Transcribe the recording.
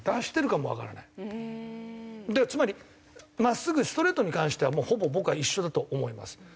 だからつまりまっすぐストレートに関してはもうほぼ僕は一緒だと思います。